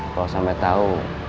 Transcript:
kalau sampai tahu